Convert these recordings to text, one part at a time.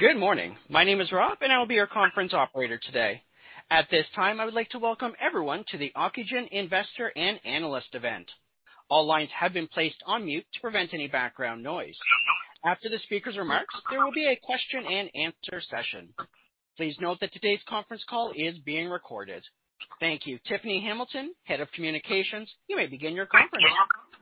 Good morning. My name is Rob. I will be your conference operator today. At this time, I would like to welcome everyone to the Ocugen Investor and Analyst event. All lines have been placed on mute to prevent any background noise. After the speaker's remarks, there will be a question and answer session. Please note that today's conference call is being recorded. Thank you. Tiffany Hamilton, Head of Communications, you may begin your conference now.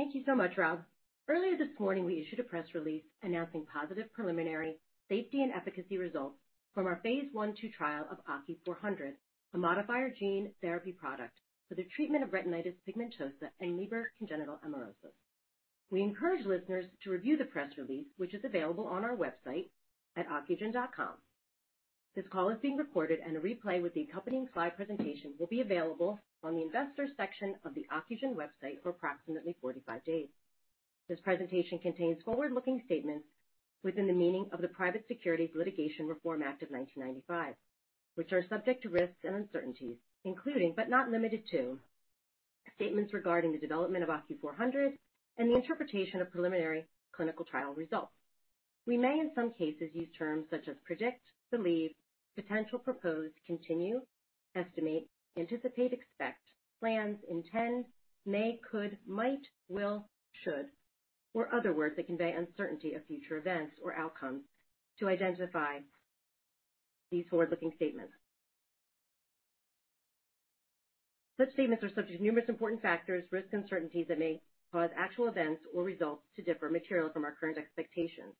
Thank you so much, Rob. Earlier this morning, we issued a press release announcing positive preliminary safety and efficacy results from our phase 1/2 trial of OCU400, a modifier gene therapy product for the treatment of retinitis pigmentosa and Leber congenital amaurosis. We encourage listeners to review the press release, which is available on our website at ocugen.com. This call is being recorded, and a replay with the accompanying slide presentation will be available on the investors section of the Ocugen website for approximately 45 days. This presentation contains forward-looking statements within the meaning of the Private Securities Litigation Reform Act of 1995, which are subject to risks and uncertainties, including, but not limited to, statements regarding the development of OCU400 and the interpretation of preliminary clinical trial results. We may, in some cases, use terms such as predict, believe, potential, propose, continue, estimate, anticipate, expect, plans, intend, may, could, might, will, should, or other words that convey uncertainty of future events or outcomes to identify these forward-looking statements. Such statements are subject to numerous important factors, risks, uncertainties that may cause actual events or results to differ materially from our current expectations,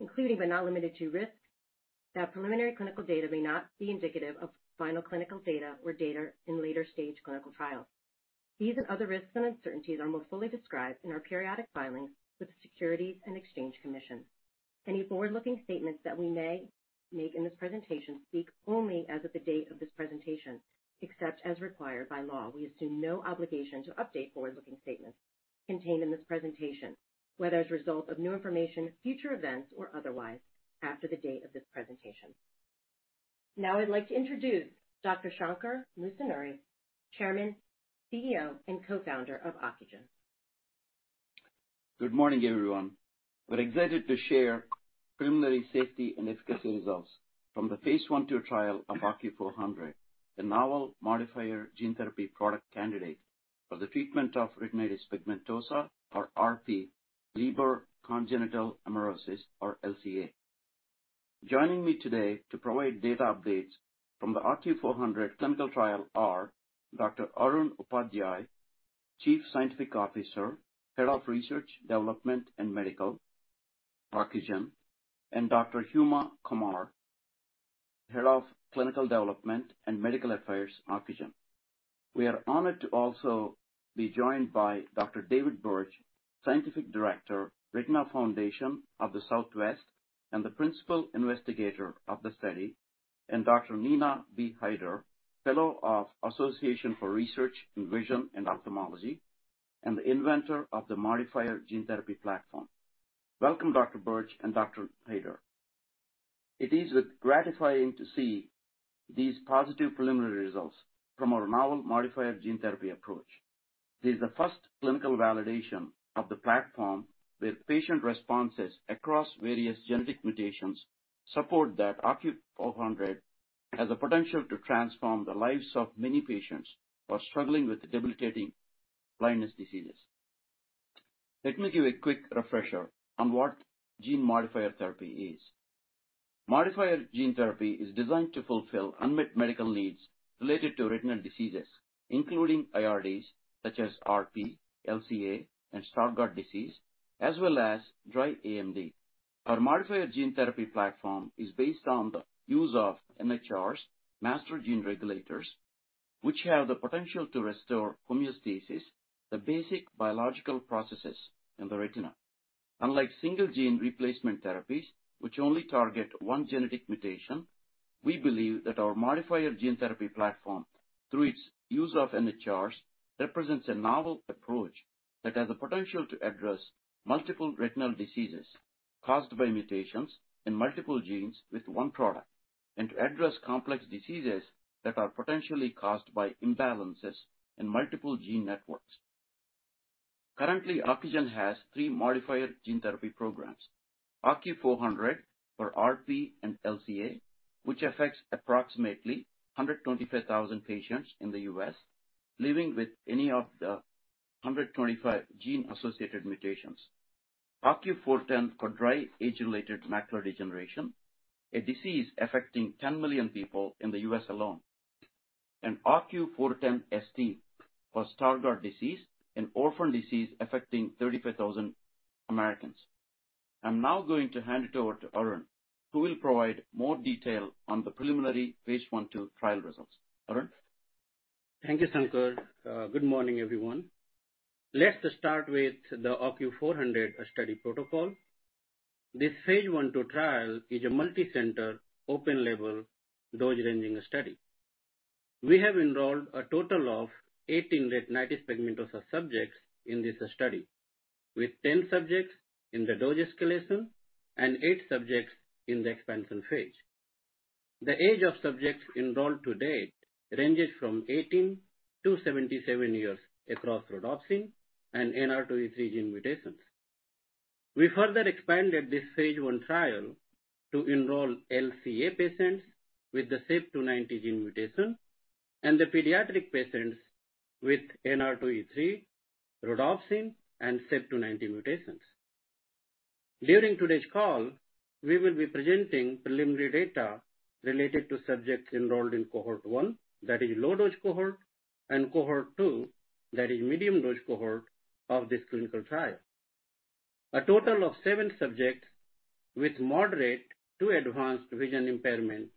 including but not limited to risks that preliminary clinical data may not be indicative of final clinical data or data in later stage clinical trials. These and other risks and uncertainties are more fully described in our periodic filings with the Securities and Exchange Commission. Any forward-looking statements that we may make in this presentation speak only as of the date of this presentation, except as required by law. We assume no obligation to update forward-looking statements contained in this presentation, whether as a result of new information, future events, or otherwise after the date of this presentation. I'd like to introduce Dr. Shankar Musunuri, Chairman, CEO and Co-founder of Ocugen. Good morning, everyone. We're excited to share preliminary safety and efficacy results from the phase one/two trial of OCU400, a novel modifier gene therapy product candidate for the treatment of retinitis pigmentosa, or RP, Leber congenital amaurosis, or LCA. Joining me today to provide data updates from the OCU400 clinical trial are Dr. Arun Upadhyay, Chief Scientific Officer, Head of Research, Development and Medical, Ocugen, and Dr. Huma Qamar, Head of Clinical Development and Medical Affairs, Ocugen. We are honored to also be joined by Dr. David Birch, Scientific Director, Retina Foundation of the Southwest, and the Principal Investigator of the study, and Dr. Neena B. Haider, Fellow of Association for Research in Vision and Ophthalmology and the inventor of the modifier gene therapy platform. Welcome, Dr. Birch and Dr. Haider. It is gratifying to see these positive preliminary results from our novel modifier gene therapy approach. This is the first clinical validation of the platform, where patient responses across various genetic mutations support that OCU400 has the potential to transform the lives of many patients who are struggling with debilitating blindness diseases. Let me give a quick refresher on what gene modifier therapy is. Modifier gene therapy is designed to fulfill unmet medical needs related to retinal diseases, including IRDs such as RP, LCA, and Stargardt disease, as well as dry AMD. Our modifier gene therapy platform is based on the use of NHRs, master gene regulators, which have the potential to restore homeostasis, the basic biological processes in the retina. Unlike single gene replacement therapies, which only target 1 genetic mutation, we believe that our modifier gene therapy platform, through its use of NHRs, represents a novel approach that has the potential to address multiple retinal diseases caused by mutations in multiple genes with 1 product, and to address complex diseases that are potentially caused by imbalances in multiple gene networks. Currently, Ocugen has 3 modifier gene therapy programs. OCU400 for RP and LCA, which affects approximately 125,000 patients in the U.S. living with any of the 125 gene-associated mutations. OCU410 for dry age-related macular degeneration, a disease affecting 10 million people in the U.S. alone. OCU410ST for Stargardt disease, an orphan disease affecting 35,000 Americans. I'm now going to hand it over to Arun, who will provide more detail on the preliminary phase I/II trial results. Arun? Thank you, Shankar. Good morning, everyone. Let's start with the OCU400 study protocol. This phase I/II trial is a multicenter, open-label, dose-ranging study. We have enrolled a total of 18 retinitis pigmentosa subjects in this study, with 10 subjects in the dose escalation and 8 subjects in the expansion phase. The age of subjects enrolled to date ranges from 18 to 77 years across rhodopsin and NR2E3 gene mutations. We further expanded this phase I trial to enroll LCA patients with the CEP290 gene mutation and the pediatric patients with NR2E3, rhodopsin, and CEP290 mutations. During today's call, we will be presenting preliminary data related to subjects enrolled in cohort 1, that is low-dose cohort, and cohort 2, that is medium-dose cohort of this clinical trial. A total of seven subjects with moderate to advanced vision impairment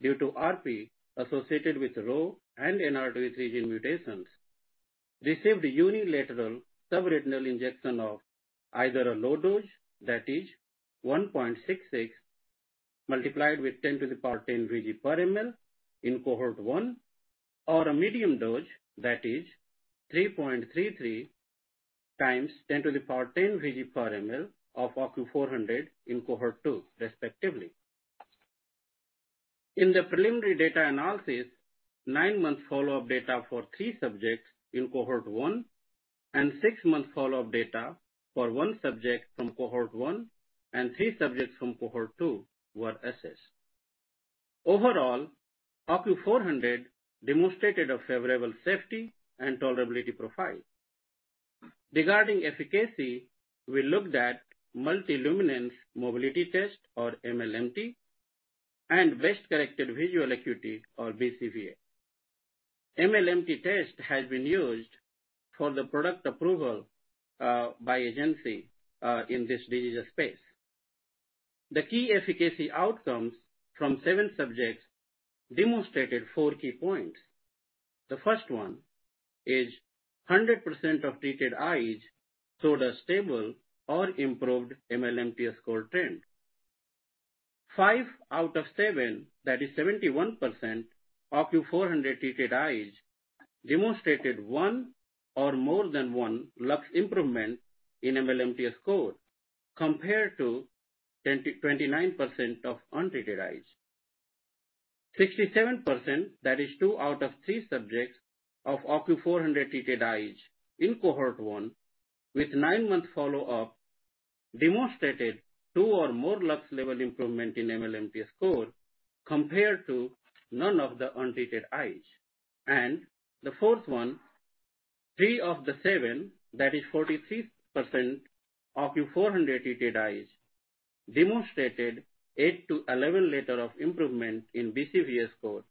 due to RP associated with RHO and NR2E3 gene mutations received unilateral subretinal injection of either a low dose that is 1.66 × 10¹⁰ vg/mL in cohort 1 or a medium dose that is 3.33 × 10¹⁰ vg/mL of OCU400 in cohort 2 respectively. In the preliminary data analysis, nine-month follow-up data for three subjects in cohort 1 and six-month follow-up data for one subject from cohort 1 and three subjects from cohort 2 were assessed. Overall, OCU400 demonstrated a favorable safety and tolerability profile. Regarding efficacy, we looked at multi-luminance mobility test, or MLMT, and best corrected visual acuity, or BCVA. MLMT has been used for product approval by the agency in this disease space. The key efficacy outcomes from seven subjects demonstrated four key points. The first one is 100% of treated eyes showed a stable or improved MLMT score trend. 5 out of 7, that is 71% OCU400 treated eyes demonstrated 1 or more than 1 lux improvement in MLMT score compared to 29% of untreated eyes. 67%, that is 2 out of 3 subjects of OCU400 treated eyes in cohort 1 with 9-month follow-up demonstrated 2 or more lux level improvement in MLMT score compared to none of the untreated eyes. The fourth one, 3 of the 7, that is 43% OCU400 treated eyes demonstrated 8 to 11 letters of improvement in BCVA score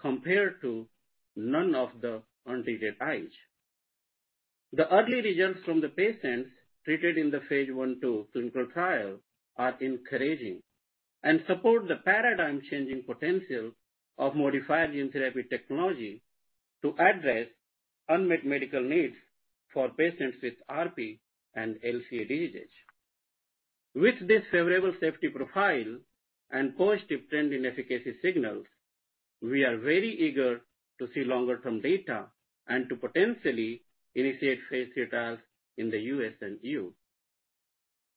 compared to none of the untreated eyes. The early results from the patients treated in the phase 1/2 clinical trial are encouraging and support the paradigm-changing potential of modifier gene therapy technology to address unmet medical needs for patients with RP and LCA diseases. With this favorable safety profile and positive trend in efficacy signals, we are very eager to see longer term data and to potentially initiate phase 3 trials in the U.S. and the EU.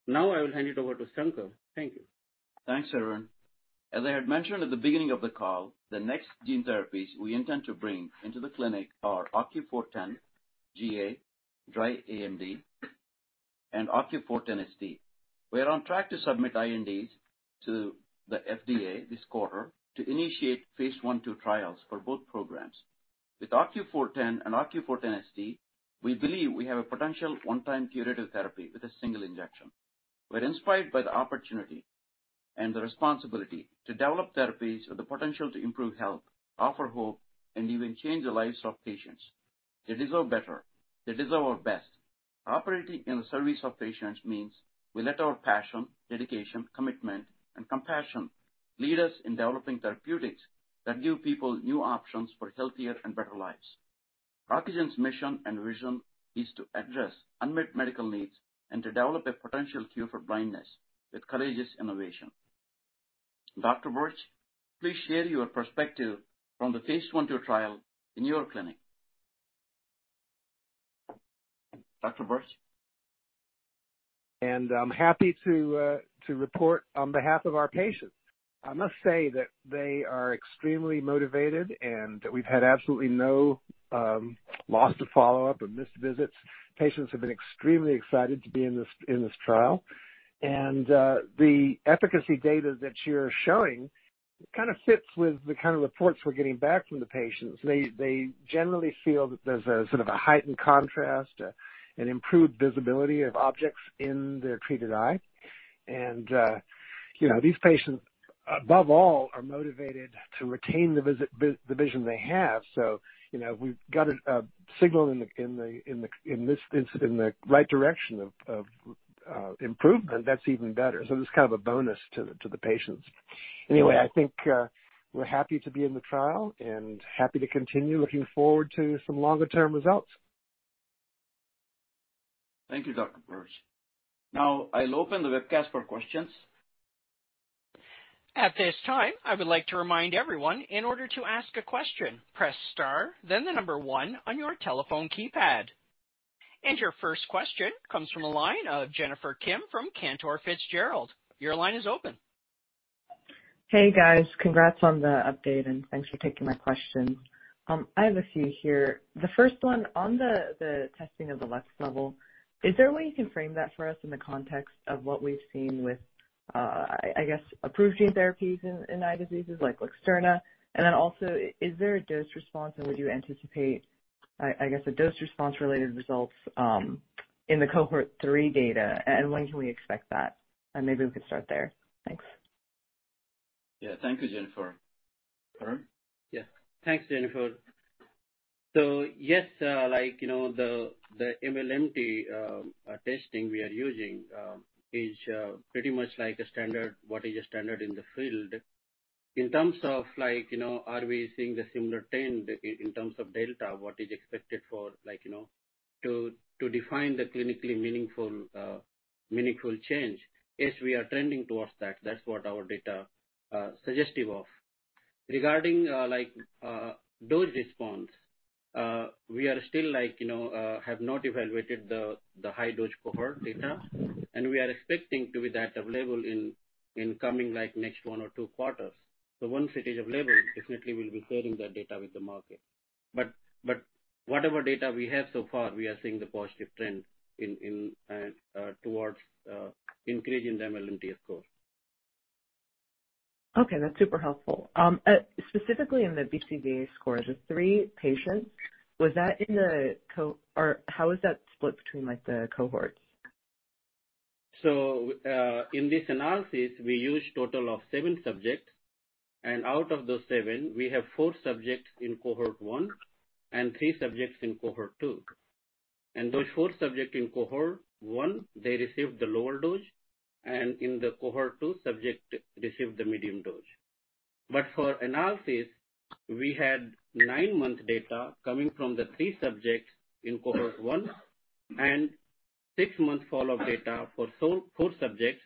Now I will hand it over to Shankar. Thank you. Thanks, Arun. As I had mentioned at the beginning of the call, the next gene therapies we intend to bring into the clinic are OCU410 GA dry AMD and OCU410ST. We are on track to submit INDs to the FDA this quarter to initiate phase 1/2 trials for both programs. With OCU410 and OCU410ST, we believe we have a potential one-time curative therapy with a single injection. We're inspired by the opportunity and the responsibility to develop therapies with the potential to improve health, offer hope, and even change the lives of patients. They deserve better. They deserve our best. Operating in the service of patients means we let our passion, dedication, commitment, and compassion lead us in developing therapeutics that give people new options for healthier and better lives. Ocugen's mission and vision is to address unmet medical needs and to develop a potential cure for blindness with courageous innovation. Dr. Birch, please share your perspective from the phase 1/2 trial in your clinic. Dr. Birch? I'm happy to report on behalf of our patients. I must say that they are extremely motivated, and we've had absolutely no loss to follow-up or missed visits. Patients have been extremely excited to be in this trial. The efficacy data that you're showing kind of fits with the kind of reports we're getting back from the patients. They generally feel that there's a sort of a heightened contrast, an improved visibility of objects in their treated eye. You know, these patients, above all, are motivated to retain the vision they have. You know, we've got a signal in this instance, in the right direction of improvement. That's even better. That's kind of a bonus to the patients. Anyway, I think, we're happy to be in the trial and happy to continue looking forward to some longer-term results. Thank you, Dr. Birch. Now I'll open the webcast for questions. At this time, I would like to remind everyone, in order to ask a question, press star then the number one on your telephone keypad. Your first question comes from a line of Jennifer Kim from Cantor Fitzgerald. Your line is open. Hey, guys. Congrats on the update, and thanks for taking my question. I have a few here. The first one, on the testing of the lux level, is there a way you can frame that for us in the context of what we've seen with, I guess, approved gene therapies in eye diseases like Luxturna? Also, is there a dose response, and would you anticipate, I guess, a dose response-related results in the cohort 3 data? When can we expect that? Maybe we could start there. Thanks. Yeah. Thank you, Jennifer. Arun? Yeah. Thanks, Jennifer. Yes, like, you know, the MLMT testing we are using is pretty much like a standard, what is a standard in the field. In terms of like, you know, are we seeing the similar trend in terms of data, what is expected for like, you know, to define the clinically meaningful change, yes, we are trending towards that. That's what our data suggestive of. Regarding like dose response, we are still like, you know, have not evaluated the high dose cohort data, and we are expecting to be that available in coming like next 1 or 2 quarters. Once it is available, definitely we'll be sharing that data with the market. Whatever data we have so far, we are seeing the positive trend in towards increasing the MLMT score. That's super helpful. Specifically in the BCVA scores, the 3 patients, how is that split between, like, the cohorts? In this analysis, we used total of 7 subjects. Out of those 7, we have 4 subjects in cohort 1 and 3 subjects in cohort 2. Those 4 subjects in cohort 1, they received the lower dose, and in the cohort 2, subject received the medium dose. For analysis, we had 9-month data coming from the 3 subjects in cohort 1, and 6-month follow-up data for 4 subjects,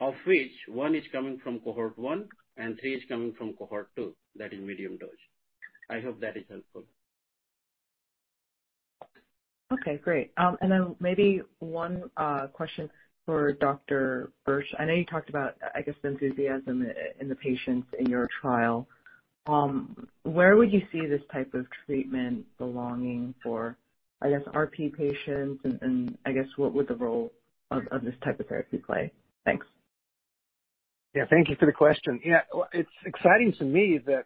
of which 1 is coming from cohort 1 and 3 is coming from cohort 2, that is medium dose. I hope that is helpful. Okay, great. Then maybe one question for Dr. Birch. I know you talked about, I guess, the enthusiasm in the patients in your trial. Where would you see this type of treatment belonging for, I guess, RP patients, and I guess what would the role of this type of therapy play? Thanks. Thank you for the question. It's exciting to me that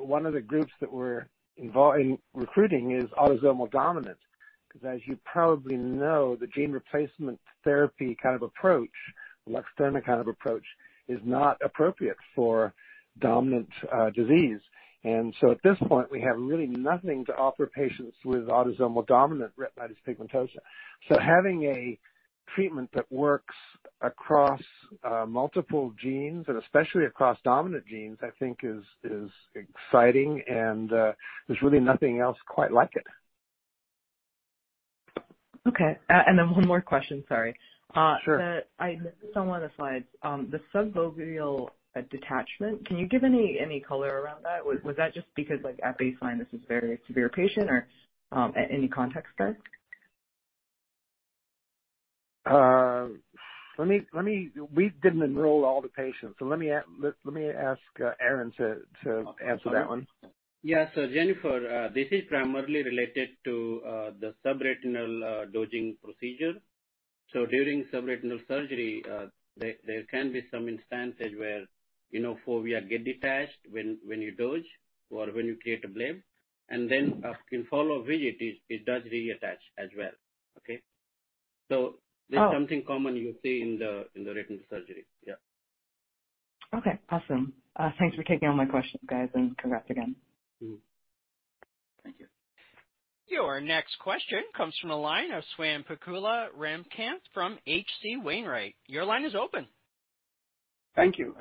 one of the groups that we're involving recruiting is autosomal dominant, because as you probably know, the gene replacement therapy kind of approach, LUXTURNA kind of approach, is not appropriate for dominant disease. At this point, we have really nothing to offer patients with autosomal dominant retinitis pigmentosa. Having a treatment that works across multiple genes, and especially across dominant genes, I think is exciting and there's really nothing else quite like it. Okay. One more question. Sorry. Sure. I missed this on one of the slides. The subfoveal detachment, can you give any color around that? Was that just because, like, at baseline, this is very severe patient or any context guide? We didn't enroll all the patients. Let me ask Arun to answer that one. Yeah. Jennifer, this is primarily related to the subretinal dosing procedure. During subretinal surgery, there can be some instances where, you know, fovea get detached when you dose or when you create a bleb, in follow visit, it does reattach as well. Okay? Oh. This is something common you see in the retinal surgery. Yeah. Okay. Awesome. Thanks for taking all my questions, guys, and congrats again. Mm-hmm. Thank you. Your next question comes from the line of Swayampakula Ramakanth from H.C. Wainwright. Your line is open. Thank you.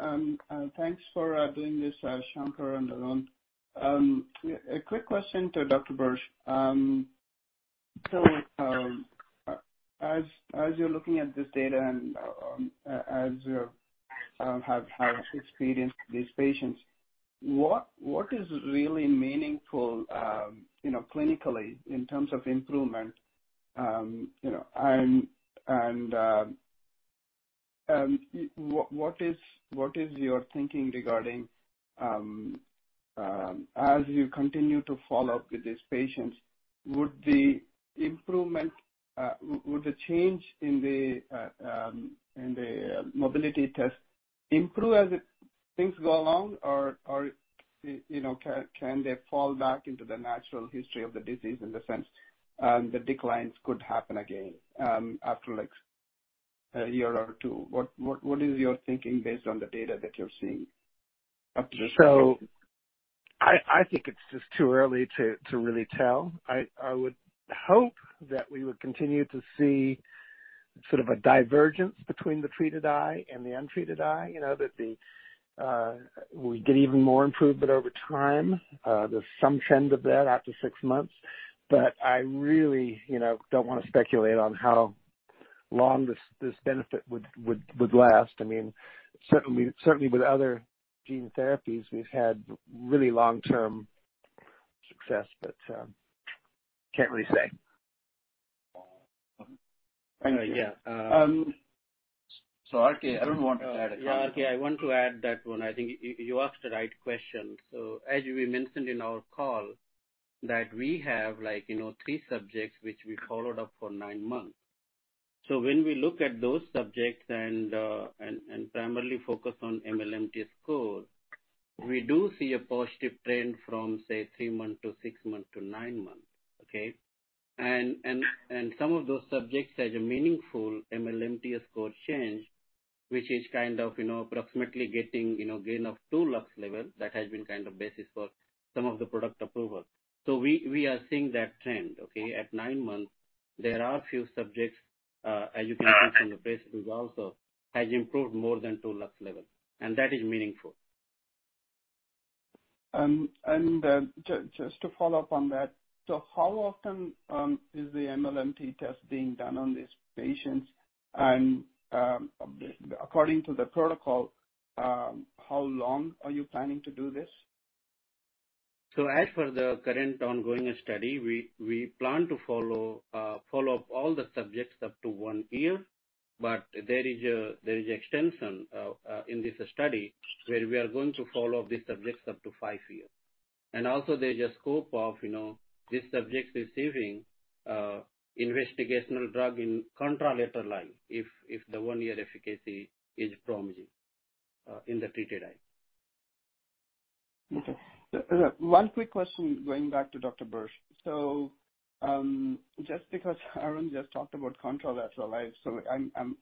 Thanks for doing this, Shankar and Arun. A quick question to Dr. Birch. As you're looking at this data and as you have experienced these patients, what is really meaningful, you know, clinically in terms of improvement? You know, and what is your thinking regarding as you continue to follow up with these patients, would the improvement, would the change in the mobility test improve as it things go along or, you know, can they fall back into the natural history of the disease in the sense, the declines could happen again after like a year or two? What is your thinking based on the data that you're seeing up to this point? I think it's just too early to really tell. I would hope that we would continue to see sort of a divergence between the treated eye and the untreated eye, you know, that we get even more improvement over time. There's some trend of that after six months. I really, you know, don't wanna speculate on how long this benefit would last. I mean, certainly with other gene therapies, we've had really long-term success, but can't really say. Thank you. Yeah. RK, Arun wanted to add a comment. Yeah, RK, I want to add that one. I think you asked the right question. As we mentioned in our call that we have, like, you know, 3 subjects which we followed up for 9 months. When we look at those subjects and and primarily focus on MLMT score, we do see a positive trend from, say, 3 months to 6 months to 9 months. Okay? Some of those subjects has a meaningful MLMT score change, which is kind of, you know, approximately getting, you know, gain of 2 lux levels. That has been kind of basis for some of the product approval. We are seeing that trend, okay? At 9 months, there are a few subjects, as you can see from the base results, has improved more than 2 lux levels, and that is meaningful. Just to follow up on that, how often is the MLMT test being done on these patients? According to the protocol, how long are you planning to do this? As for the current ongoing study, we plan to follow up all the subjects up to one year, but there is extension in this study where we are going to follow the subjects up to five years. Also, there's a scope of, you know, these subjects receiving investigational drug in contralateral eye if the one-year efficacy is promising in the treated eye. Okay. One quick question going back to Dr. Birch. Just because Arun just talked about contralateral eye,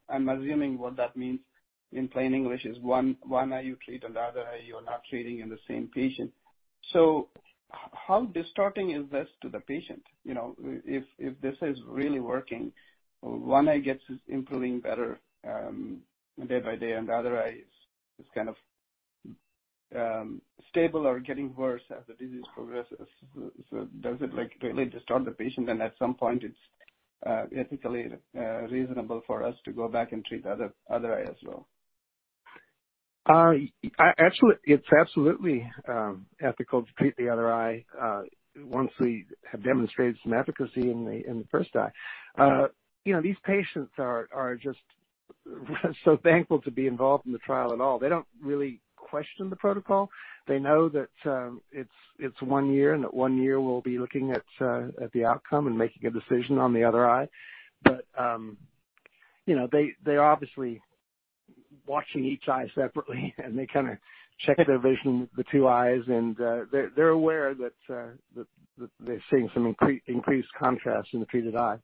I'm assuming what that means in plain English is one eye you treat and the other eye you're not treating in the same patient. How distorting is this to the patient? You know, if this is really working, one eye gets improving better, day by day, and the other eye is kind of, stable or getting worse as the disease progresses. Does it, like, really distort the patient, and at some point it's, ethically, reasonable for us to go back and treat the other eye as well? Actually it's absolutely ethical to treat the other eye once we have demonstrated some efficacy in the first eye. You know, these patients are just so thankful to be involved in the trial at all. They don't really question the protocol. They know that it's one year, at one year we'll be looking at the outcome and making a decision on the other eye. You know, they're obviously watching each eye separately, and they kinda check their vision with the two eyes. They're aware that they're seeing some increased contrast in the treated eye.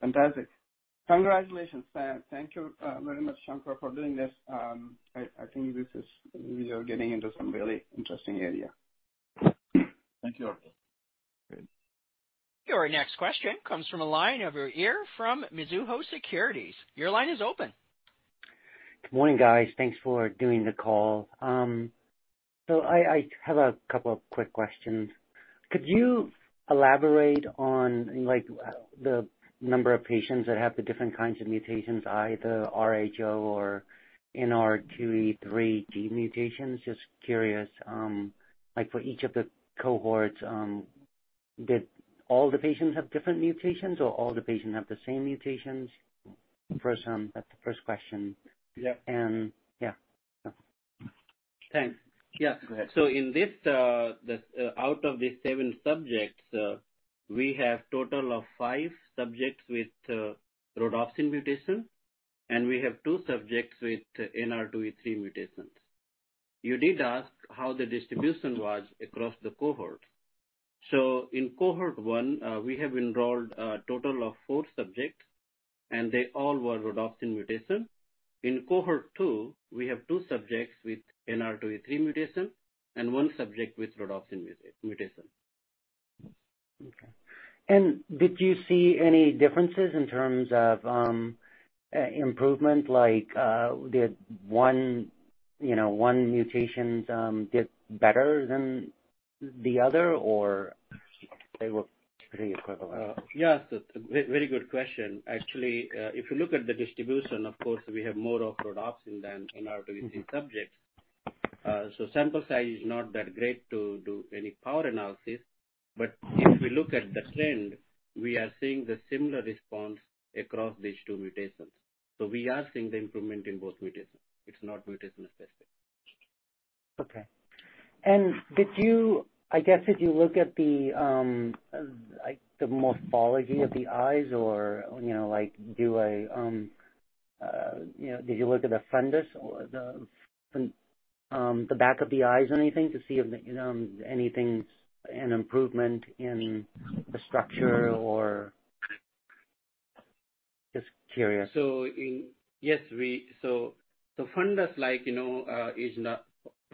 Fantastic. Congratulations. Thank you, very much, Shankar, for doing this. I think this is, we are getting into some really interesting area. Thank you. Good. Your next question comes from a line Uy Ear from Mizuho Securities. Your line is open. Good morning, guys. Thanks for doing the call. I have a couple of quick questions. Could you elaborate on, like, the number of patients that have the different kinds of mutations, either RHO or NR2E3 gene mutations? Just curious, like for each of the cohorts, did all the patients have different mutations or all the patients have the same mutations? First, that's the first question. Yeah. Yeah. Thanks. Yeah. Go ahead. In this, out of these 7 subjects, we have total of 5 subjects with rhodopsin mutation, and we have 2 subjects with NR2E3 mutations. You did ask how the distribution was across the cohort. In cohort 1, we have enrolled a total of 4 subjects, and they all were rhodopsin mutation. In cohort 2, we have 2 subjects with NR2E3 mutation and 1 subject with rhodopsin mutation. Okay. Did you see any differences in terms of improvement? Like, did one mutations did better than the other, or they were pretty equivalent? Yes, a very good question. Actually, if you look at the distribution, of course we have more of rhodopsin than NR2E3 subjects. Sample size is not that great to do any power analysis. If we look at the trend, we are seeing the similar response across these two mutations. We are seeing the improvement in both mutations. It's not mutation specific. Okay. I guess, did you look at the like the morphology of the eyes or, you know, like do a, you know, did you look at the fundus or the back of the eyes or anything to see if anything's an improvement in the structure or? Just curious. Fundus imaging is not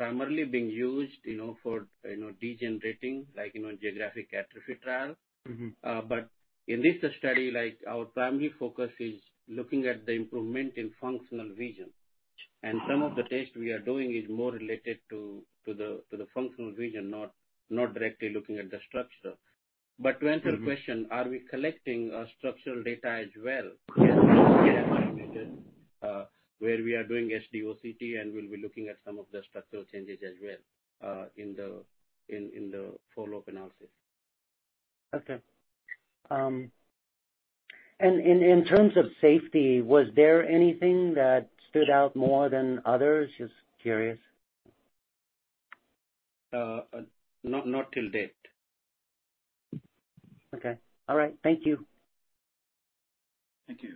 the primary endpoint used in degenerative geographic atrophy trials. Mm-hmm. In this study, like our primary focus is looking at the improvement in functional vision. Some of the tests we are doing is more related to the functional vision, not directly looking at the structure. To answer your question, are we collecting structural data as well? Yes, we have done it, where we are doing SD-OCT, and we'll be looking at some of the structural changes as well, in the follow-up analysis. Okay. In terms of safety, was there anything that stood out more than others? Just curious. Not till date. Okay. All right. Thank you. Thank you.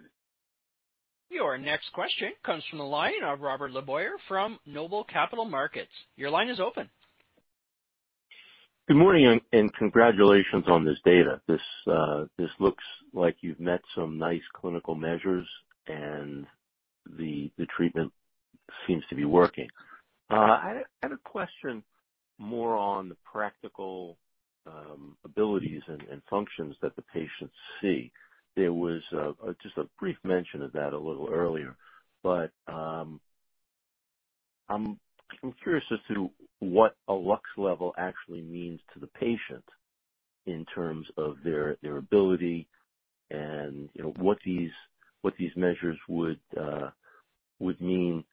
Your next question comes from the line of Robert LeBoyer from Noble Capital Markets. Your line is open. Good morning, and congratulations on this data. This looks like you've met some nice clinical measures, and the treatment seems to be working. I had a question more on the practical abilities and functions that the patients see. There was just a brief mention of that a little earlier. I'm curious as to what a lux level actually means to the patient in terms of their ability and, you know, what these measures would mean,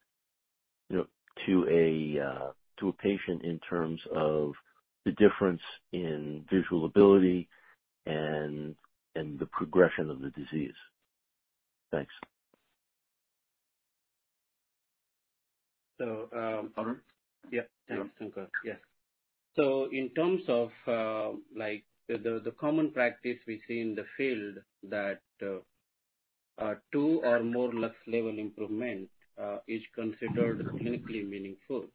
you know, to a patient in terms of the difference in visual ability and the progression of the disease. Thanks. So, um- Arun? Thanks, Shankar. Yes. In terms of the common practice we see in the field that a 2 or more lux level improvement is considered clinically meaningful.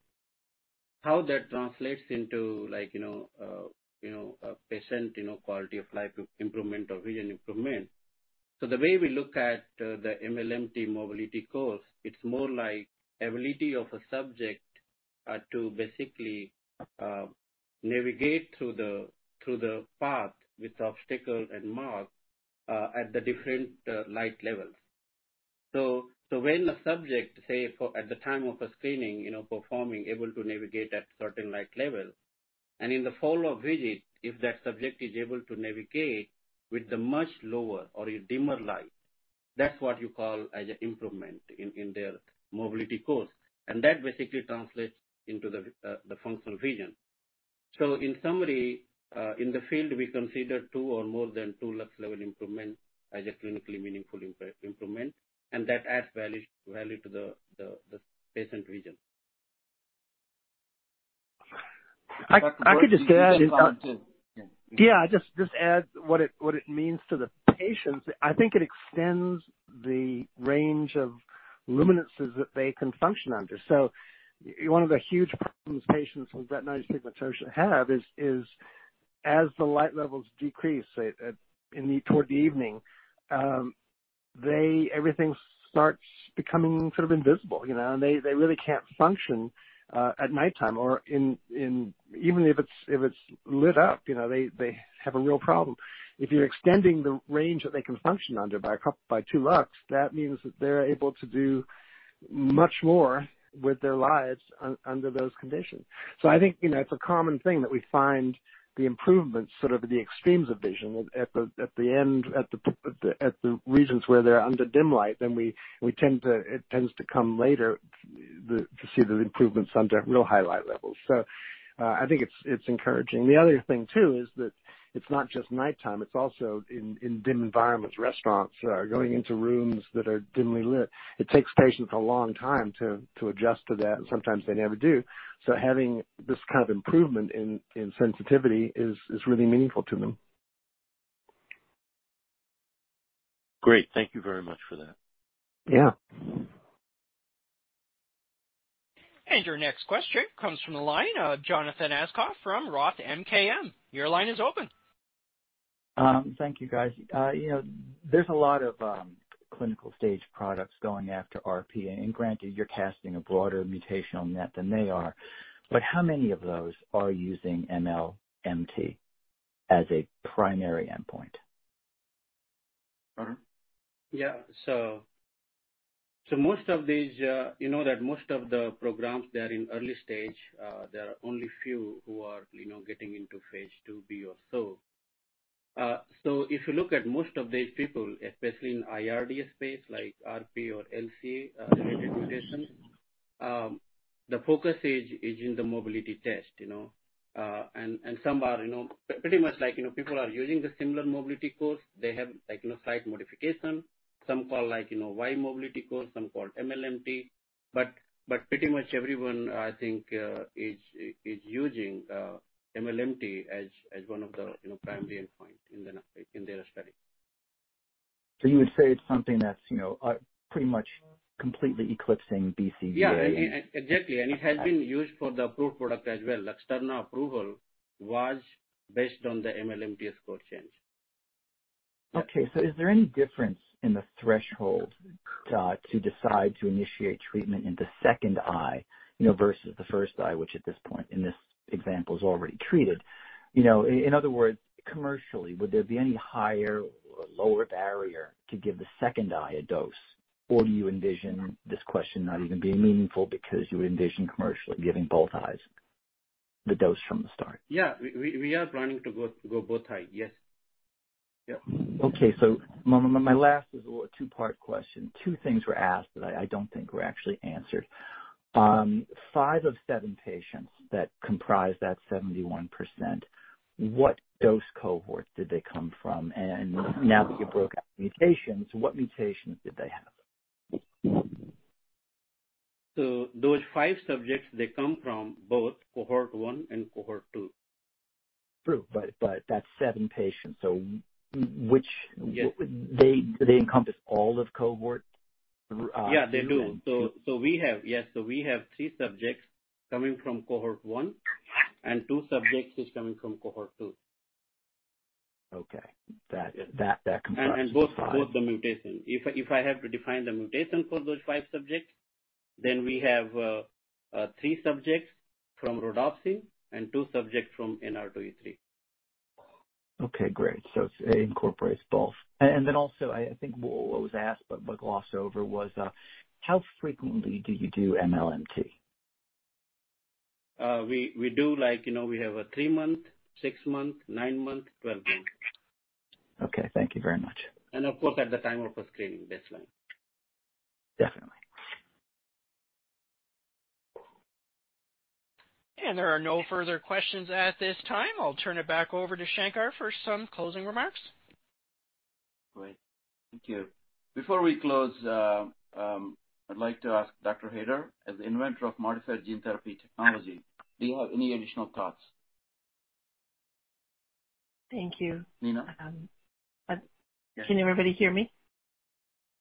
How that translates into a patient quality of life improvement or vision improvement? The way we look at the MLMT mobility course, it's more like ability of a subject to basically navigate through the path with obstacle and mark at the different light levels. When the subject, say, at the time of a screening, performing, able to navigate at certain light levels, in the follow-up visit, if that subject is able to navigate with a much lower or a dimmer light, that's what you call as an improvement in their mobility course. That basically translates into the functional vision. In summary, in the field, we consider 2 or more than 2 lux level improvement as a clinically meaningful improvement, and that adds value to the patient vision. I could just add Yeah, just add what it means to the patients. I think it extends the range of luminances that they can function under. One of the huge problems patients with retinitis pigmentosa have is as the light levels decrease, say, toward the evening, everything starts becoming sort of invisible, you know. They, they really can't function at nighttime or in... even if it's, if it's lit up, you know, they have a real problem. If you're extending the range that they can function under by 2 lux, that means that they're able to do much more with their lives under those conditions. I think, you know, it's a common thing that we find the improvements sort of at the extremes of vision. At the end, at the regions where they're under dim light, it tends to come later the, to see the improvements under real high light levels. I think it's encouraging. The other thing too is that it's not just nighttime, it's also in dim environments. Restaurants, going into rooms that are dimly lit. It takes patients a long time to adjust to that, and sometimes they never do. Having this kind of improvement in sensitivity is really meaningful to them. Great. Thank you very much for that. Yeah. Your next question comes from the line of Jonathan Aschoff from Roth MKM. Your line is open. Thank you, guys. You know, there's a lot of clinical stage products going after RP, and granted, you're casting a broader mutational net than they are. How many of those are using MLMT as a primary endpoint? Arun? Yeah. So, most of these, you know that most of the programs, they're in early stage. There are only few who are, you know, getting into phase 2B or so. So if you look at most of these people, especially in IRD space like RP or LCA-related mutations, the focus is in the mobility test, you know. And some are, you know, pretty much like, you know, people are using the similar mobility course. They have like, you know, slight modification. Some call like, you know, Y mobility course, some call MLMT. But pretty much everyone, I think, is using MLMT as one of the, you know, primary endpoint in their study. You would say it's something that's, you know, pretty much completely eclipsing BCVA? Yeah. Exactly. It has been used for the approved product as well. LUXTURNA approval was based on the MLMT score change. Okay. Is there any difference in the threshold to decide to initiate treatment in the second eye, you know, versus the first eye, which at this point in this example is already treated? You know, in other words, commercially, would there be any higher or lower barrier to give the second eye a dose? Do you envision this question not even being meaningful because you envision commercially giving both eyes the dose from the start? Yeah, we are planning to go both eyes. Yes. Yep. My last is a two-part question. Two things were asked that I don't think were actually answered. Five of seven patients that comprise that 71%, what dose cohort did they come from? Now that you broke out the mutations, what mutations did they have? Those 5 subjects, they come from both cohort 1 and cohort 2. True, but that's 7 patients. w-which. Yes. Would they encompass all of cohort? Yeah, they do. We have three subjects coming from cohort one and two subjects is coming from cohort two. Okay. That comprises the five. Both the mutation. If I have to define the mutation for those five subjects, then we have three subjects from rhodopsin and two subjects from NR2E3. Okay, great. It incorporates both. Then also, I think what was asked but glossed over was, how frequently do you do MLMT? We do like, you know, we have a 3-month, 6-month, 9-month, 12-month. Okay, thank you very much. Of course, at the time of screening, baseline. Definitely. There are no further questions at this time. I'll turn it back over to Shankar for some closing remarks. Great. Thank you. Before we close, I'd like to ask Dr. Haider, as the inventor of modifier gene therapy technology, do you have any additional thoughts? Thank you. Nina? Can everybody hear me?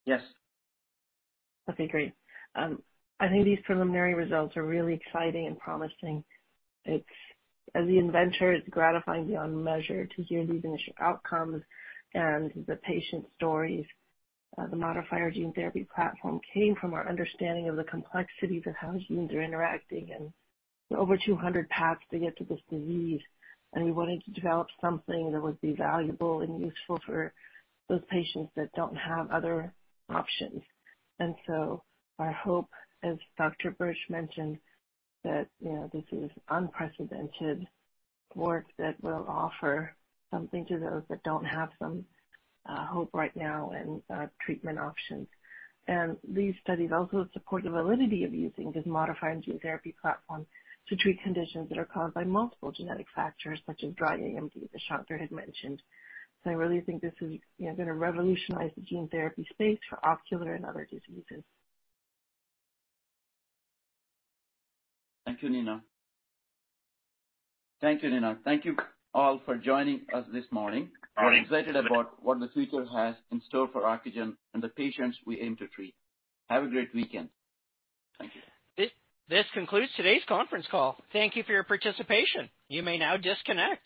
Yes. Okay, great. I think these preliminary results are really exciting and promising. As the inventor, it's gratifying beyond measure to hear these initial outcomes and the patient stories. The modifier gene therapy platform came from our understanding of the complexities of how genes are interacting, and over 200 paths to get to this disease. We wanted to develop something that would be valuable and useful for those patients that don't have other options. Our hope, as Dr. David Birch mentioned, that, you know, this is unprecedented work that will offer something to those that don't have some hope right now and treatment options. These studies also support the validity of using this modifier gene therapy platform to treat conditions that are caused by multiple genetic factors, such as dry AMD, as Shankar Musunuri had mentioned. I really think this is, you know, gonna revolutionize the gene therapy space for ocular and other diseases. Thank you, Nina. Thank you, Nina. Thank you all for joining us this morning. We're excited about what the future has in store for Ocugen and the patients we aim to treat. Have a great weekend. Thank you. This concludes today's conference call. Thank you for your participation. You may now disconnect.